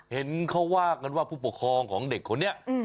เห็นเขาว่ากันว่าผู้ปกครองของเด็กคนนี้